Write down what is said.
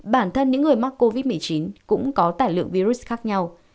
bản thân những người mắc covid một mươi chín cũng có tải lượng virus khác nhau